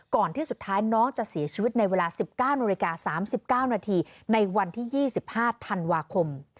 ก่อนที่สุดท้ายน้องจะสีชีวิตในเวลา๑๙น๓๙นในวันที่๒๕ธันวาคม